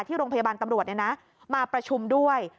ที่โรงพยาบาลตำรวจมาประชุมด้วย